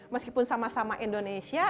meskipun sama sama indonesia